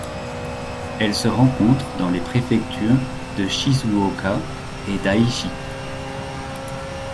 Elle se rencontre dans les préfectures de Shizuoka et d'Aichi.